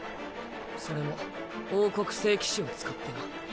それも王国聖騎士を使ってな。